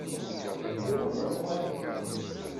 D lawan ad uɣalent.